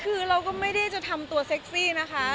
คือเราก็ไม่ได้จะทำตัวเซ็กซี่นะคะ